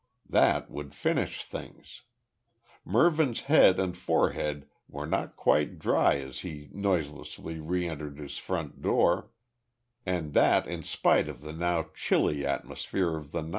That would finish things. Mervyn's head and forehead were not quite dry as he noiselessly re entered his front door, and that in spite of the now chilly atmosphere of the night.